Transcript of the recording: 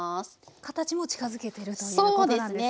形も近づけてるということなんですね。